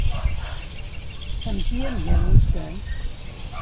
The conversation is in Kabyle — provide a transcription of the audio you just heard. Amek i am-gan wussan?